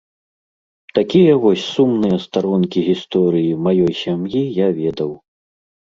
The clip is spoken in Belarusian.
Такія вось сумныя старонкі гісторыі маёй сям'і я ведаў.